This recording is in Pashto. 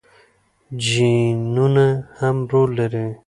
جینونه هم رول لري.